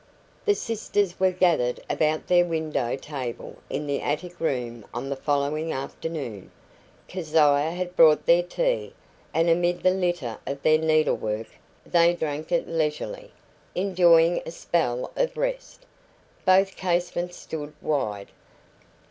The sisters were gathered about their window table in the attic room on the following afternoon. Keziah had brought their tea, and amid the litter of their needlework they drank it leisurely, enjoying a spell of rest. Both casements stood wide.